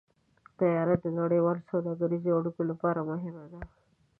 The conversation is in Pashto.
طیاره د نړیوالو سوداګریزو اړیکو لپاره مهمه ده.